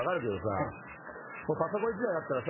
はいもうパソコン１台あったらさ